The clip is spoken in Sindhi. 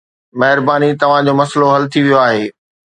مهرباني، توهان جو مسئلو حل ٿي ويو آهي